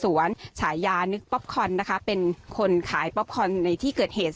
ฉายานึกป๊อปคอนนะคะเป็นคนขายป๊อปคอนในที่เกิดเหตุ